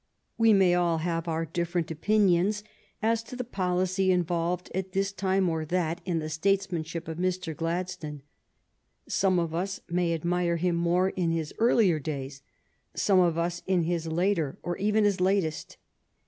We may all have our different opinions as to the policy involved at this time or that in the statesmanship of Mr. Gladstone. Some of us may admire him more in his earlier days, some of us in his later, or even his latest.